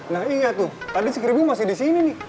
nah iya tuh tadi si keribu masih disini nih